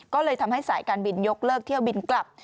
ก็เลยทำให้สายการบินยกเลิกเที่ยวบินกลับ